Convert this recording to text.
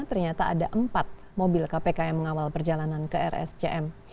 ternyata ada empat mobil kpk yang mengawal perjalanan ke rscm